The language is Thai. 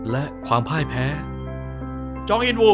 และความพ่ายแพ้จองอินวู